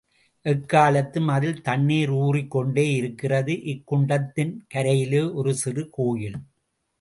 எக்காலத்தும் அதில் தண்ணீர் ஊறிக் கொண்டே இருக்கிறது இக்குண்டத்தின் கரையிலே ஒரு சிறு கோயில்.